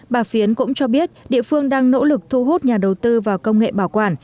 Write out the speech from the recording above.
bà phiến cũng cho biết địa phương đang nỗ lực thu hút nhà đầu tư vào công nghệ bảo quản